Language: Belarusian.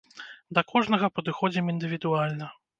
Да кожнага падыходзім індывідуальна.